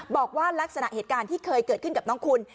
บอกว่าลักษณะเหตุการณ์ที่เคยเกิดขึ้นกับน้องคุณ